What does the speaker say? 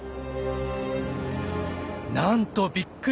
なんとびっくり！